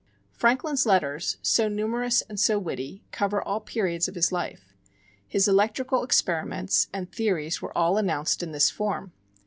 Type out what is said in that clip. Franklin's letters, so numerous and so witty, cover all periods of his life. His electrical experiments and theories were all announced in this form.